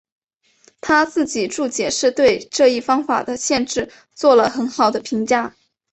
他自己注解是对这一方法的限制做了很好的评价。